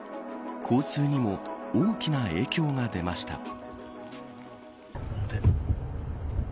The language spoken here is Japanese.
交通にも大きな影響が出ました。